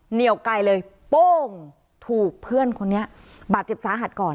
เหนียวไกลเลยโป้งถูกเพื่อนคนนี้บาดเจ็บสาหัสก่อน